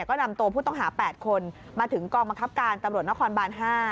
ก็นำตัวผู้ต้องหา๘คนมาถึงกองบังคับการตำรวจนครบาน๕